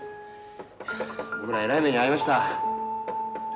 はあ僕らえらい目に遭いました。